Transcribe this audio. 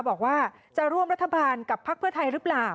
บอกว่าจะร่วมรัฐบาลกับพักเพื่อไทยหรือเปล่า